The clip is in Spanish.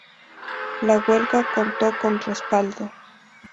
La huelga contó con respaldo.